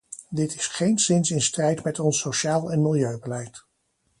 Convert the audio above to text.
Dit is geenszins in strijd met ons sociaal en milieubeleid.